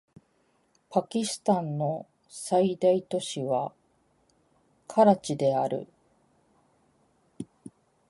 パキスタンの最大都市はカラチである